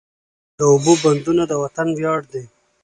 د اوبو بندونه د وطن ویاړ دی.